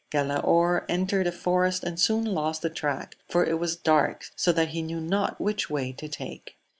Galaor entered a forest, and soon lost the track, for it was dark, so that he knew not which way to take.